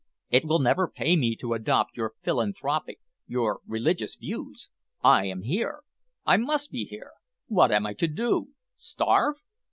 It will never pay me to adopt your philanthropic, your religious views. I am here. I must be here. What am I to do? Starve?